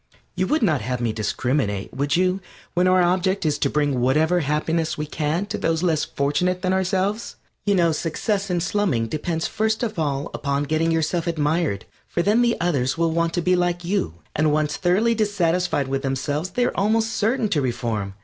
You would not have me discriminate, would you, when our object is to bring whatever happiness we can to those less fortunate than ourselves? You know success in slumming depends first of all upon getting yourself admired, for then the others will want to be like you, and once thoroughly dissatisfied with themselves they are almost certain to reform.